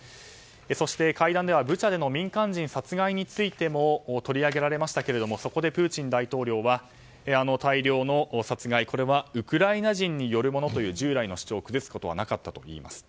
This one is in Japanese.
そして、会談ではブチャでの民間人殺害についても取り上げられましたけどもそこでプーチン大統領は大量の殺害、これはウクライナ人によるものという従来の主張を崩すことはなかったといいます。